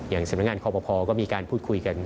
สำนักงานคอปภก็มีการพูดคุยกัน